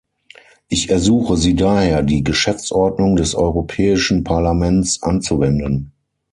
Ich ersuche Sie daher, die Geschäftsordnung des Europäischen Parlaments anzuwenden.